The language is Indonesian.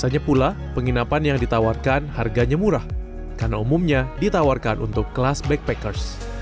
biasanya pula penginapan yang ditawarkan harganya murah karena umumnya ditawarkan untuk kelas backpackers